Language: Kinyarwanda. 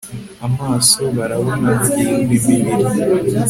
Amaso Barabona Hahirwa imibiri